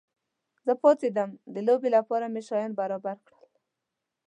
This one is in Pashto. زه پاڅېدم، د لوبې لپاره مې شیان برابر کړل.